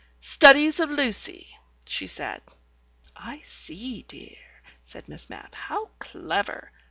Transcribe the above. "Studies of Lucy," she said. "I see, dear," said Miss Mapp. "How clever!